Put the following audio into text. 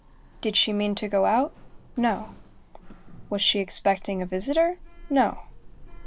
Did she mean to go out? No. Was she expecting a visitor? No.